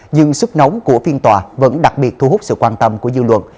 nhưng sức nóng của phiên tòa vẫn đặc biệt thu hút sự quan tâm của dư luận